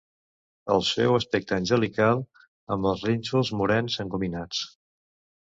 El seu aspecte angelical, amb els rínxols morens engominats...